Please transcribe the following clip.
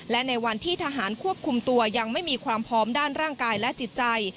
และในวันที่ทหารควบคุมตัวยังไม่มีความพร้อมด้านร่างกายและจิตใจ